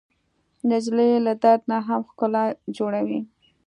نجلۍ له درد نه هم ښکلا جوړوي.